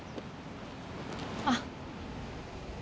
あっ。